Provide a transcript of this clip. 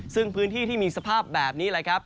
ซึ่งพื้นที่ที่มีสภาพแบบนี้แหละครับ